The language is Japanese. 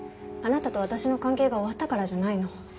あなたと私の関係が終わったからじゃないの。